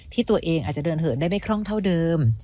ที่ตัวเองอาจจะเดินเหินได้ไม่คล่องเท่าเดิม